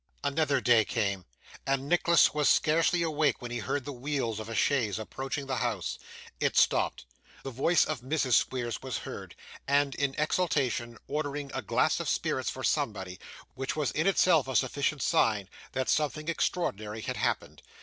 Another day came, and Nicholas was scarcely awake when he heard the wheels of a chaise approaching the house. It stopped. The voice of Mrs Squeers was heard, and in exultation, ordering a glass of spirits for somebody, which was in itself a sufficient sign that something extraordinary had happened.